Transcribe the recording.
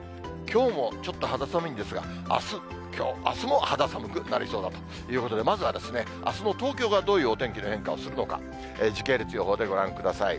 きょうもちょっと肌寒いんですが、あすも肌寒くなりそうだということで、まずはあすの東京が、どういうお天気の変化をするのか、時系列予報でご覧ください。